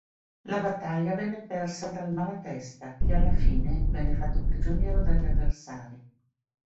La battaglia venne persa dal Malatesta, che alla fine venne fatto prigioniero dagli avversari.